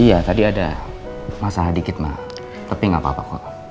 iya tadi ada masalah dikit mah tapi nggak apa apa kok